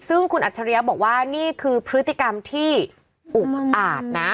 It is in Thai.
ซึ่งคุณอัจฉริยะบอกว่านี่คือพฤติกรรมที่อุกอาจนะ